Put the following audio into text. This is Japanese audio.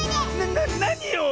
ななによ